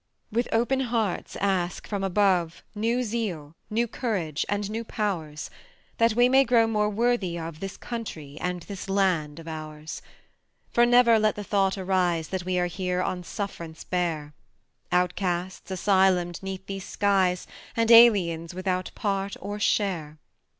With open hearts ask from above New zeal, new courage and new pow'rs, That we may grow more worthy of This country and this land of ours. For never let the thought arise That we are here on sufferance bare; Outcasts, asylumed 'neath these skies, And aliens without part or share.